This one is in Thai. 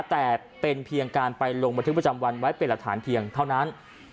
แต่เป็นเพียงการไปลงบันทึกประจำวันไว้เป็นหลักฐานเพียงเท่านั้น